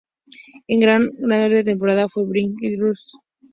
El gran ganador de esta temporada fue "Big Time Rush".